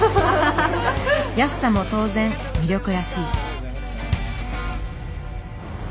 安さも当然魅力らしい。